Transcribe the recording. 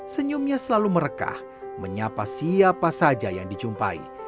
senyumnya selalu merekah menyapa siapa saja yang dicumpai